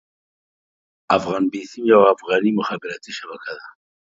افغان بيسيم يوه افغاني مخابراتي شبکه ده.